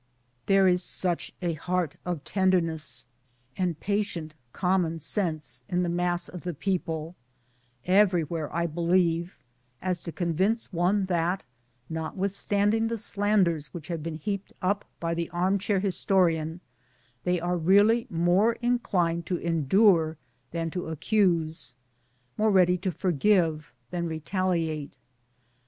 There is such a heart of tenderness and 9 ,I3P MY DAYS AND DREAMS patient common sense in the mass of the people everywhere I believe as to convince one that, not withstanding the slanders that have been heaped up by the arm chair historian, they are really more in clined to endure than to accuse, more ready to forgive than retaliate.